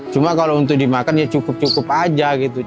cuma kalau untuk dimakan ya cukup cukup aja gitu